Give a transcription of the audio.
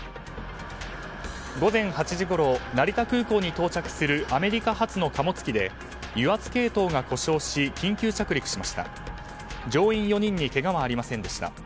午前８時ごろ成田空港に到着するアメリカ発の貨物機で油圧系統が故障し緊急着陸しました。